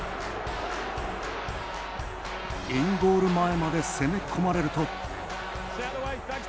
インゴール前まで攻め込まれると。